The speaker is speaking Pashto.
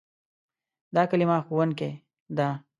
دا کلمه "ښوونکی" ده.